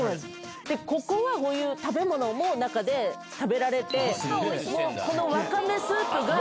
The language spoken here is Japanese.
ここは食べ物も中で食べられてこのわかめスープが。